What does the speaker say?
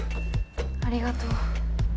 ありがとう。